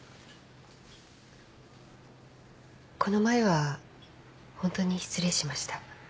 この前はホントに失礼しました。